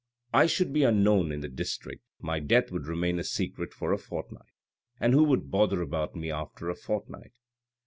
I should be unknown in the district, my death would remain a secret for a fortnight, and who would bother about me after a fortnight